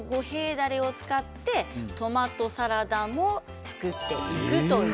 だれを使ってトマトサラダも作っていく。